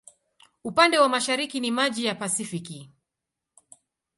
Upande wa mashariki ni maji ya Pasifiki.